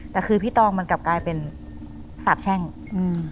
แต่คือพี่ตองมันกลับกลายเป็นสาบแช่งอืม